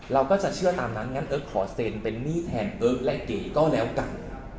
เราก็จะเชื่อตามนั้นงั้นเอิ๊กขอเซ็นเป็นหนี้แทนเอิ๊กและเก๋ก็แล้วกัน